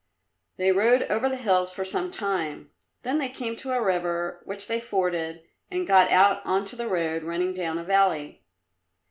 They rode over the hills for some time, then they came to a river which they forded and got out on to a road running down a valley.